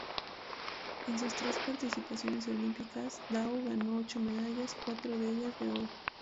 En sus tres participaciones olímpicas, Dawn ganó ocho medallas, cuatro de ellas de oro.